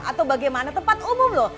atau bagaimana tempat umum loh